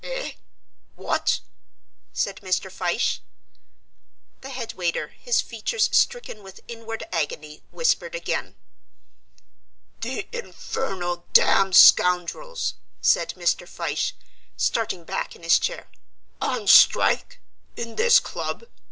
"Eh? what?" said Mr. Fyshe. The head waiter, his features stricken with inward agony, whispered again. "The infernal, damn scoundrels!" said Mr. Fyshe, starting back in his chair. "On strike: in this club!